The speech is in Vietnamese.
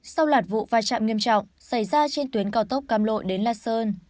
sau loạt vụ vai trạm nghiêm trọng xảy ra trên tuyến cao tốc cam lộ đến la sơn